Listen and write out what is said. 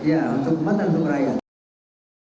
ya untuk pan dan untuk rakyat